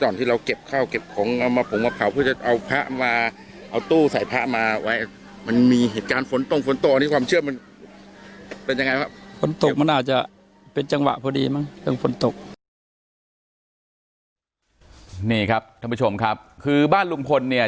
นี่ครับท่านผู้ชมครับคือบ้านลุงพลเนี่ย